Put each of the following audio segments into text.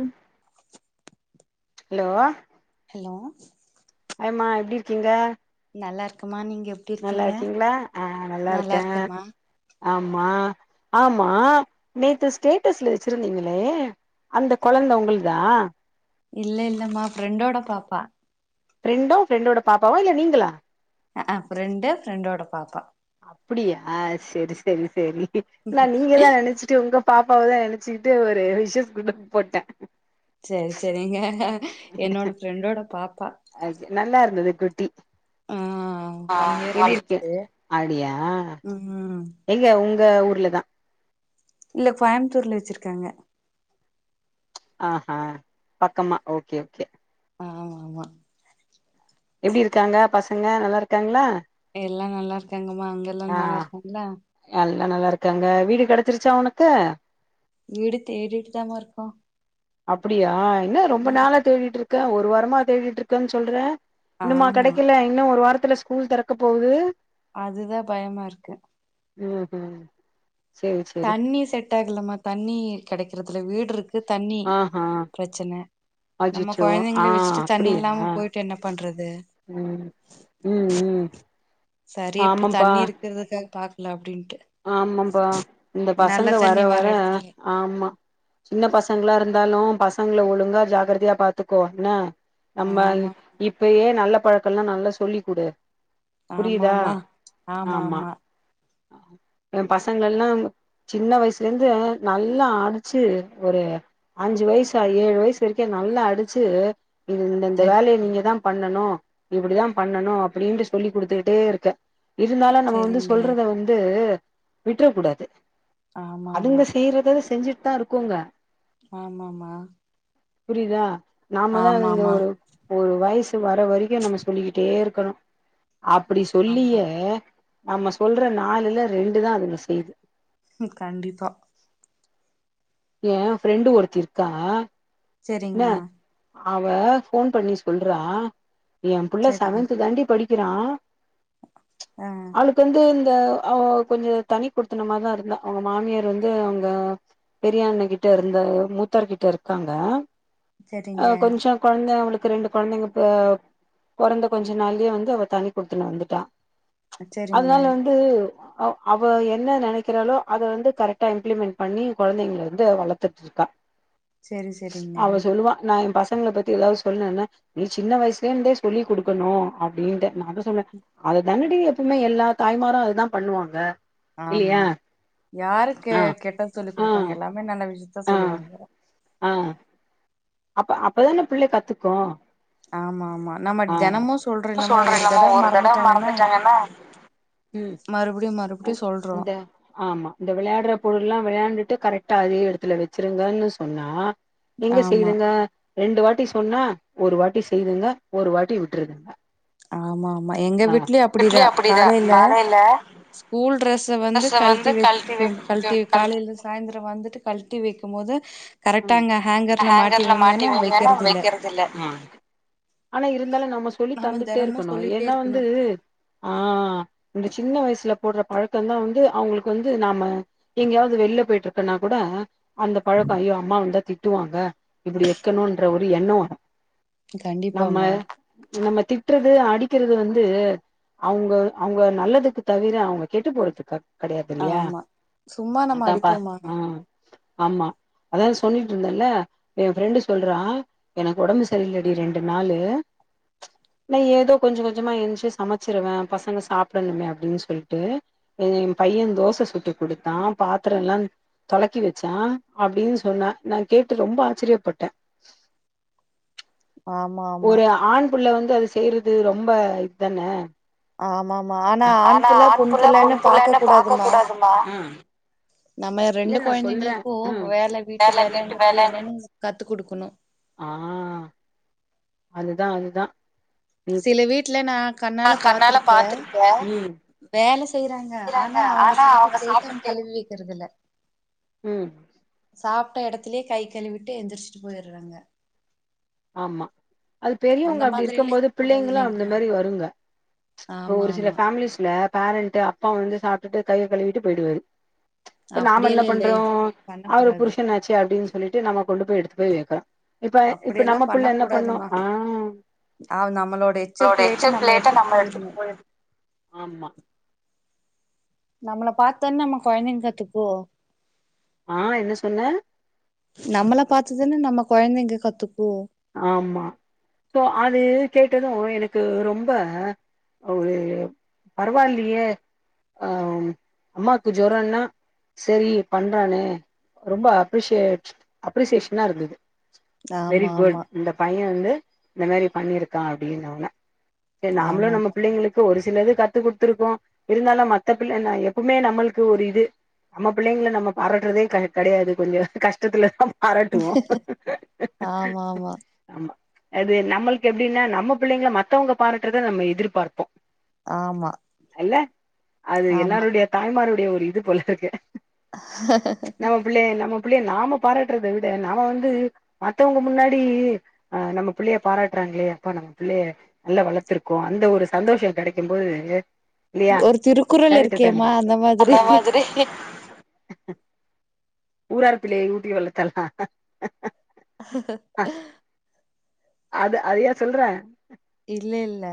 ம் hello hello ஆய்ம்மா எப்டி இருக்கீங்க நல்லா இருக்கும்மா நீங்க எப் நல்லா இருக்கீங்களா ஆ நல்லா இருக்கே இருக்கேமா ஆம்மா ஆம்மா நேத்தூ ஸ்டேட்டஸ்ல வச்சிருந்தீங்களே அந்த கொளந்த உங்கள்தா இல்ல இல்லம்மா ஃப்ரெண்டோட பாப்பா ஃப்ரெண்டூ ஃப்ரெண்டோட பாப்பாவ இல்ல நீங்களா ஆ ஹாங் ஃப்ரெண்டு ஃப்ரெண்டோட பாப்பா அப்படி ஆ செரி செரி செரி இல்ல நீங்க எதனா நினைச்சுட்டு உங்கப் பாப்பாவதா எலச்சிக்கிட்டு ஒரு விஷஸ் குண்டு போட்டே சேரி சேரிங்க என்னோட ஃப்ரெண்டோட பாப்பா அதுக் நல்லாருந்தது குட்டி ஆ அ ஒன் இயர் பர்த்டே அப்பிடியா ம் ஏங்க உங்க ஊர்ல தா இல்ல கோயம்புத்தூர்ல வச்சிருக்காங்க ஆ ஹா பக்கம்மா ஓகே ஓகே ஆமா எப்பிடிருக்காங்க பசங்க நல்லாருக்காங்களா எல்லா நல்லாருக்காங்கம்மா அங்க எல்லாரு நல்லாருக்காங்களா எல்லா நல்லாருக்காங்க வீடு கடைச்சிருச்சா உனுக்கு வீடு தேடிட்டுதாமாருக்கோ அப்புடியா என்ன ரொம்ப நாளா தேடிட்டுருக்க ஒரு வாரமா தேடிட்டுருக்கேன்னு சொல்றே இன்னுமா ஆமா கெடைக்கல இன்னு ஒரு வாரத்துல ஸ்கூல் தெறக்க போகுது அதுதா பயமாருக்கு ம் ம் சேரி சேரி தண்ணி செட்டாகலாம்மா தண்ணி கெடைக்கரறதுல வீட்ருக்கு தண்ணி ஆஹா பிரச்சன நம்ம அச்சச்சோ ஆ கொழந்தைங்கள வெச்சிட்டு அப்டியா தண்ணியில்லாம போயிட்டு என்ன பண்றது ம் ம் ம் சரி இப்ப ஆமாப்பா தண்ணி இருக்குறதுக்காக பாக்கலா அப்டின்னுட்டு ஆமாம்ப்பா இந்த பசங்க வர தண்ணி வர எடத்துல ஆமா சின்ன பசங்களா இருந்தாலு பசங்கள ஒழுங்கா ஜாகரதையா பாத்துக்கோ என்ன நம்ம ஆமா இப்பேயே நல்ல பழக்கேல்லா நல்லா சொல்லிக் குடு புரியுதா ஆமாமா ஆமா ஆமாமா எ பசங்கலெல்லா சின்ன வயசுலேருந்து நல்லா அடிச்சு ஒரு அஞ்சு வயசா ஏழு வயசு வரைக்கு நல்லா அடிச்சு இந்தந்த வேலையே சரிமா நீங்க தா பண்ணணு இப்படிதா பண்ணணு அப்படின்ட்டு சொல்லி் குடுத்துட்டே இருக்கே இருந்தாலு நம்ம வந்து சரிங்க சொல்றத வந்து விட்டுற கூடாது ஆமாமா அதுங்க செய்யறத செஞ்சுட்டு தா இருக்குங்க ஆமாமா புரியுதா நாமதா அதுங்க ஆமாமா ஒரு வயசு வர வரைக்கூ நம்ம சொல்லிக்கிட்டே இருக்கணு அப்படி ஆமா சொல்லியே நம்ம சொல்ற நாலுல ரெண்டுதா அதுங்க செய்யு ம் கண்டிப்பா எ ஃப்ரெண்டு ஒருத்தி இருக்கா என்ன சேரிங்மா அவ ஃபோன் பண்ணி சொல்றா எப்புள்ள சரிங்க செவன்த்து தாண்டி படிக் கிறா ஆ அவளுக்கு வந்து இந்த அவ கொஞ்சோ தனி குடுத்தன மாரிதா இருந்தா அவுங்க மாமியார் வந்து அவுங்க பெரியண்ண கிட்டருந்தாங்க மூத்தார்க்கிட்ட இருக்காங்க அ சரிங்க கொஞ்சோ கொழந்தைங்க அவுளுக்கு ரெண்டு கொழந்தைங்க பொ ப பொறந்த கொஞ்ச நாள்யே வந்து அவ தனி குடுத்துன்னோ வந்துட்டா சரிங்க அதனால வந்து அவ் அவ என்ன நெனைக்கிறாளோ அத வந்து கரெக்டா இம்ப்ளிமெண்ட் பண்ணி கொழந்தைங்கள வந்து வளத்து ட்ருக்கா செரி செரிங்க ல்லுவா நா என் பசங்கள பத்தி எதாவ்து சொல்லேன்ன நீ சின்ன வயசுல இந்தே சொல்லி் குடுக்கணு அப்டின்ட்ட நா அத சொல்ல அதுதானடி எப்பவுமே எல்லா தாய்மாரூ அதுதா பண்ணுவாங்க ஆமா இல்லையா யாரு கெ ஆ கெட்டது சொல்லி் ஆ குடுப்பாங்க எல்லாமே நல்ல விஷித்தா ஆ சொல்லுவாங்க ஆ அப்ப அப்பதான பிள்ள கத்துக்கூ ஆமா ஆமா நம்ம ஆ தெனமு சொல்றோ இல்லமா சொல்றேங்கம்மா ஒரு தடவ மறந்துட்டாங்கன்னா மறந்துட்டாங்கனா ம் மறுபிடியு மறு அ இந்த ஆமா இந்த விளயாடுற பொருள்லா விளையாண்டுட்டு கரெக்டா அதே எடத்துல வெச்சிருங்கன்னு சொன்னா எங்க ஆமா செய்துங்க ரெண்டு வாட்டி சொன்னா ஒரு வாட்டி செய்துங்க ஒரு வாட்டி விட்டுருதுங்க ஆமா ஆமா எங்க அ வீட்லயு ட்லயு அப்டிதா அப்பிடிதா காலைல காலேல ஸ்கூல் ட்ரெஸ்ஸ வந்து கழட்டி வெச்சுட்டு வைக்க கழ்ட்டி வெ கழட்டி காலேல சாயந்தரோ வந்துட்டு கழ்ட்டி வைக்கம் போது கரெக்டா ம் அங்க ஹேங்கர்ல மாட்டி வைங்கன்னா வெய்க்கறதில்ல ஆனா இருந்தாலு நம்ம சொல்லி தந்துட்டே தெனமு இருக்கணு சொல்லிட்டே ஏனா வந்து இருக்கணு ஆ இந்த சின்ன வயசுல போடுற பழக்கந்தா வந்து அவங்களுக்கு வந்து நாம எங்கயாவது வெள்ல போயிட்டுருக்குன்னா கூட அந்த பழக்கோ ஐயோ அம்மா வந்தா திட்டுவாங்க இப்டி வெக்கணுன்ற ஒரு எண்ணோ வரூ நம்ம கண்டிப்பாமா நம்ம திட்றது அடிக்கிறது வந்து அவுங்க அவுங்க நல்லதுக்கு தவிர அவங்க கெட்டு போறதுக்கா கடையாதில்லியா ஆமா சும்மா நம்ம அதாப்பா அடிப்போமா ஆ ஆமா அதா சொல்லிட்ருந்தேல்ல எ ஃப்ரெண்டு சொல்றா எனக்கு ஒடம்பு சரியில்லடி ரெண் டு நாளு நா ஏதோ கொஞ்சொ கொஞ்சமா ஏஞ்சு சமைச்சிருவ பசங்க சாப்டணுமே அப்டின் சொல்லிட்டு எ எ பையே தோச சுட்டு குடுத்தா பாத்துரெல்லா தொலக்கி வச்சா அப்டின் சொன்னா நா கேட்டு ரொம்ப ஆச்சிரிய பட்ட ஆம் ஒரு ஆண் புள்ள வந்து அது செய்றது ரொம்ப இதுதான ஆமா பாக்க அ கூடாதுமா அ நம்ம ரெண்டு கொழந்தைங்களுக்கு வேல வீட்டு வேலங்கறது என்னன்னு கத்து குடுக்கணு ஆ அதுதா அதுதா நீ இல வீட்ல நா நா கண்ணால பாத்துருக்க பாத்திருக்கே வேல செய்றாங்க ஆனா அவங்க சாப்ட்ட பிலேட கழுவி வெக்கிறது இல்ல ம் சாப்ட்ட எடத்துலே கை கழுவிட்டு எந்திரிச்சிட்டு போயிறாங்க ஆமா அது அந்த பெரியவங்க அப்டி மாதிரி இருக்கம் எல்லா போது இருக்க கூடாது பிள்ளைங்களு அந்த இல்லைங்களா மாரி வருங்க இப்ப ஆமா ஒரு சில ஆமா பேஃம்லீஸ்ல பேரண்ட்டு அப்பா வந்து சாப்ட்டுட்டு கைய கழுவிட்டு போயிடுவாரு இப்ப நாம என்ன அப்டியெல்லா இல்லை பண்றோ பண்ண அவரு கூடாது புருஷன்னாச்சே அப்டின் சொல்லிட்டு நம்ம கொண்டு போய் எடுத்து போய் வேக்றோ இப்ப இப்ப அப்டியெல்லா நம்ம புள்ள பண்ண என்ன பண்ணு கூடாதுமா ஆ நம்மளோட அவரோட பிளேட்ட எச்ச பிலேட்ட எடுத்துட்டு நம்ம எடுத்து போயிரணு போய்ட் நம்மள பாத்தான நம்ம கொழந்தைங்க கத்துக்கோ ஆ என்ன சொன்ன நம்மள பாத்துதான நம்ம கொழந்தைங்க கத்துக்கோ ஆமா சோ அது கேட்டதும் எனக்கு ரொம்ப ஒரு பரவாயில்லயே ம் அம்மாக்கு ஜொரன்னா செரி பண்றானே ரொம்ப அப்ரிசே அப்ரிசியேஷனா இருந்தது வெரி ஆமா குட் ஆமா இந்த பைய வந்து இந்த மாரி பண்ணிருக்கா அப்படின்னுவாங்க ஏ நாமளும் ஆமா நம்ம பிள்ளைங்களுக் ஒரு சிலது கத்து குடுத்துருக்கோ இருந்தாலு மத்த பிள்ள எப்பவுமே நம்மளுக்கு ஒரு இது நம்ம பிள்ளைங்கள நம்ம பாராட்டுறதே கெடையாது கொஞ்சோ கஷ்டத்துல தா பாராட்டுவோ ஆமா ஆமா அது நம்மளுக்கு எப்படின்னா நம்ம பிள்ளைங்கள மத்தவங்க பாறட்டுறத நம்ம எதிர்பார்ப்போ ஆமா அல்ல அது ஆமா எல்லாருடைய தாய்மாருடைய ஒரு இது போல இருக்கு நம்ம பிள்ளைய நம்ம புள்ளய நாம பாராட்டுறத விட நாம வந்து மத்தவங்க முன்னா டி அ நம்ம புள்ளைய பாராட்டுறாங்களே அப்பா நம்ம புள்ளைய நல்லா வளர்த்துருக்கோ அந்த ஒரு சந்தோஷோ கெடைக்கும் போது ஒரு திருக்குறள் இருக்கேம்மா அந்த மாதிரி ஊராருப்பிள்ளைய ஊட்டி வளத்தால் தா ஹ அ அது அதயா சொல்ற இல்ல இல்ல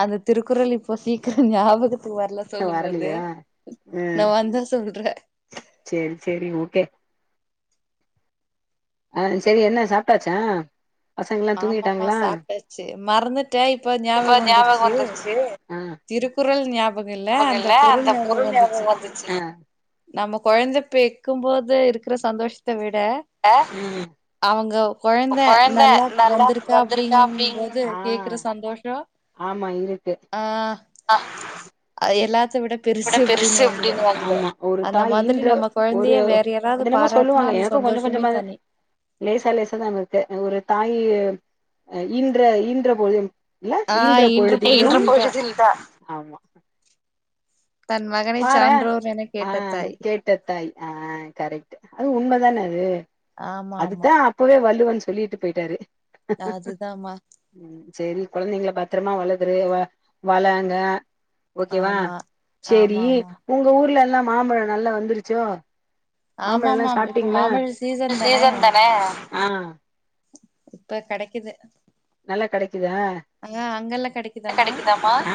அந்த திருக்குறள் இப்போ சீக்கிரம் ஞாபகத்துக்கு வர்ல சொல்லும் போது வரலையா ம் நா வந்தா சொல்ற சேரி சேரி ஓகே ஆ சேரி என்ன சாப்ட்டாச்சா பசங்கல்லா ஆமாமா தூங்கிட்டாங்களா சாப்ட்டாச்சு மறந்துட்ட இப்ப ஞாபக வந்துருச்சு திருக்குறள் ஞாபக இல்ல அந்த பொருள் ஞாபக வந்துச்சு நம்ம கொழந்த பெக்கும் போது இருக்கிற சந்தோஷத்தை விட ஆ அவங்க கொழந்த நல்லாப் நல்லா வந்திருக்க வந்திருக்கா அப்டின்னு அப்படிங்கும்போது கேக்குற சந்தோஷோ ஆமா இருக்கு ஆ ஆ எல்லாத்த விட பெருசு அப்படின்னுவாங்க அப்டின்னுவாங்களே ஒரு அந்த தாய் மாதிரி ஈன்ற நம்ம ஒரு கொழந்தைய வேற யாராவது அது என்னமோ பாராட்டனா சொல்லுவாங்க அந்த எனக்கு கொஞ்ச சந்தோஷமே கொஞ்சமா தனி. லேசா லேசா தா வருது ஒரு தாய் அ ஈன்ற ஈன்றபொழுதும் இல்ல ஆ ஈன்ற இன்று பொழுதினும் பொழுதில்தா ஆமா னை பாரே சான்றோர் என ஆ கேட்ட தாய் கேட்ட தாய் ஆ கரெக்ட் அது உண்மதான அது ஆமா ஆமா அதுதா அப்பவே வள்ளுவன் சொல்லிட்டு போயிட்டாரு அதுதாம்மா செரி கொழந்தைங்கள பத்தரமா வளதுரு வளங்க ஆமா செரி ஆமா ஆமா உங்க ஊர்ல எல்லா மாம்பழம் நல்லா வந்துருச்சோ! மாம்பழோல்லா ஆமாமாம்மா இப்ப சாப்ட்டீங்களா மாம்பழம் சீசன் தானே ஆ ப்ப கெடைக்குது. நல்லா கெடக்குதா ஆ அங்கெல்லா கெடைக்குதாமா ஆ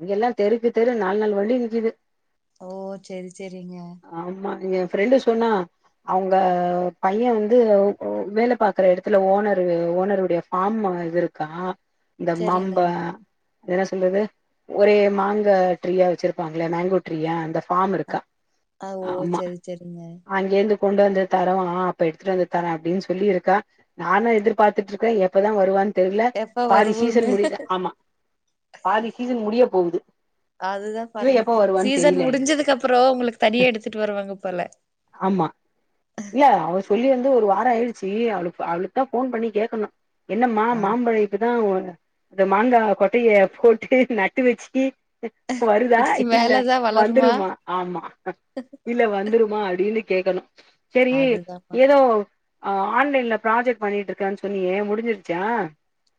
இங்கெல்லா தெருக்கு தெரு நால் நால் வண்டி நிக்குது ஓ! சரி, சரிங்க ஆமா எ ஃப்ரெண்டு சொன்னா அவுங்க பைய வந்து ஒ வேல பாக்ற எடத்துல ஓனரு ஓனருடைய ஃபார்ம இது இருக் கா இந்த செரிங்க மாம்ப என்ன சொல்றது ஒரே மாங்க ட்ரீயா வச்சிருப்பாங்களே மேங்கோ ட்ரீயா அந்த ஃபார்ம் இருக்கா ஆ ஓ சரி சரிங்க அங்கே இருந்து கொண்டு வந்து தருவா அப்ப எடுத்துட் வந்து தரே அப்டின் சொல்லி இருக்கா நானு எதிர்பார்த்துட் இருக்கே எப்பதா வருவான் தெரில எப்ப பாதி வருவோன்னு சீசன் முடியுது ஆமா பாதி சீசன் முடிய போவுது அதுதா பாருங்க சீசன் எனக்கு முடிஞ்சதுக்கப்றோ உங்ளுக்கு தனியா எடுத்துட்டு வருவாங்க போல ஆமா இல்ல அவ சொல்லி வந்து ஒரு வாரோ ஆயிடுச்சி அவளுக்கு அவளுக்கு தா போன் பண்ணி கேக்கணு என்னமா ஆ மாம்பழோ இப்பதா ஓல இந்த மாங்கா கொட்டைய போட்டு நட்டு வச்சி வருதா இதுக்கு இல்ல வந்துருமா ஆமா ஹ இல்ல வந்துருமா அப்டின் கேக்கணு சரி அதுதாம்மா ஏதோ ஆ ஆன்லைன்ல ப்ராஜெக்ட் பண்ணிட்டு இருக்கே சொன்னியே முடிஞ்சிருச்சா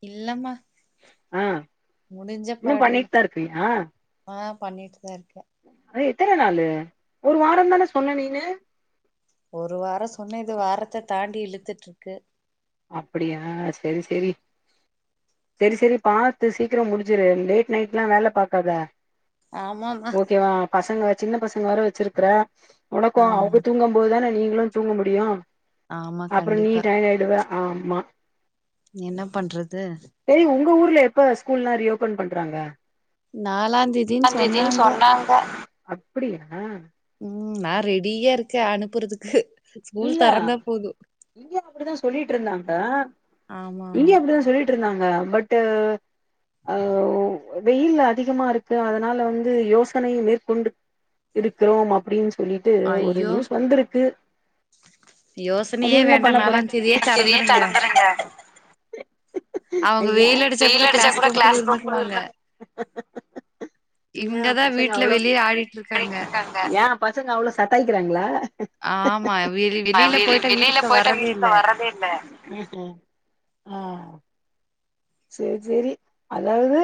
இல்லமா இன்னு பண்ணிட்தா இருக்குறியா ஆ பண்ணிட்டுதா இருக்கே அதா எத்தன நாளு ஒரு வாரோந்தான சொன்ன நீனு ஒரு வாரோ சொன்னே இது வாரத்த தாண்டி இழுத்துட்ருக்கு அப்படியா! சரி, சரி சரி சரி பாத்து சீக்கிரோ முடிச்சுரு லேட் நைட்லா வேல பாக்காத ஆமாமா ஓகேவா பசங்க வச் சின்ன பசங்க வேற வச்சிருக்குற உனக்கு ஆமா அவரு தூங்கம் போதுதான நீங்களு தூங்க முடியு ஆமா அப்றோ நீ கண்டிப்பா டயாடாயிடுவ ஆமா என்ன பண்றது செரி உங்க ஊர்ல எப்ப ஸ்கூல்லா ரீஓபன் பண்றாங்க நாலாந்தேதின் சொன்னாங்க பா அப்டியா ம் நா ரெடியா இருக்கே அனுப்புறதுக்கு ஸ்கூல் இல்ல தொறந்தா போது இங்கயு அப்டித்தா சொல்லிட் இருந்தாங்க ஆமா ஆமா இங்கயு அப்டிதா சொல்லிட் இருந்தாங்க பட்டு் ஆ வெயில் அதிகமா இருக்கு அதனால வந்து யோசனைய மேற்கொண்டு இருக்கலாம் அப்டின் சொல்லிட்டு ஒரு ஐயோ நியூஸ் வந்துருக்கு அது யோசனையே என்ன வேண்டா பண்ண போறே நாலாந் தேதியே எனக்கு இதயே தெறந்துருங்க தந்துருங்க ஐயா வெயில் அடிச்சா கூட கிளாஸ் ரூம் குளுருது ஏ இவங்கதா பசங்க வீட்ல அவ்ளோ வெளிய ஆடிட்டு இருக்காங்க ஏ பசங்க அவ்ளோ சத்தாயிக்கிறாங்களா ஆமா வெளி ஆ வெளியில வெ போயிட்டா வெளில வீட்டுக்குள்ள போயிட்டா வர்றதே வீட்டுக்கு தா இல்ல வர்றதே இல்ல சேர் சேரி அதாவது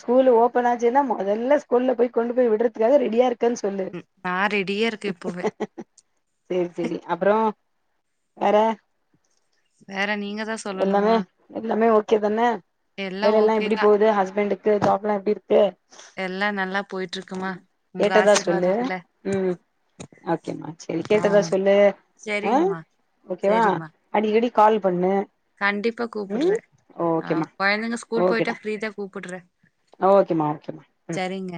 ஸ்கூல் ஓப்பன் ஆச்சுன்னா மொதல்ல ஸ்கூல் போய் கொண்டு போய் விட்றதுக்காக ரெடியா இருக் கேன் சொல்லு நா ரெடியா இருக்கே இப்பவே செரி செரி அப்றோ வேற வேற நீங்க தான் எல்லாமே சொல்லணுமா எல்லாமே ஓகே தான எல்லா வேலல்லா ஓகே எப்டி தான் போது ஹஸ்பண்டுக்கு ஜாப்லா எப்டி இருக்கு எல்லா நல்லா போயிட்ருக்குமா உங்க கேட்டதா சொல்லு ஆசீர்வாதத்துல ம் ஓகேமா செரி ஆ கேட்டதா சொல்லு ஆ சரிங்கம்மா ஓகேவா சரிம்மா அடிக்கடி கால் பண்ணு கண்டிப்பா ம் கூப்ட்றே ஆ ஓகேமா கொழந்தைங்க ஸ்கூல் போயிட்டா ஓகேடா ஃப்ரீ தா கூப்ட்றே ஓகேமா ஓகேமா ம் சரிங்க